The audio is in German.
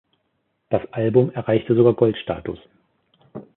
Das Album erreichte sogar Goldstatus.